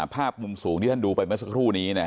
ภาพมุมสูงที่ท่านดูไปเมื่อสักครู่นี้